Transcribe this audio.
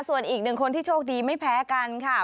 ส่วนอีกหนึ่งคนที่โชคดีไม่แพ้กันค่ะ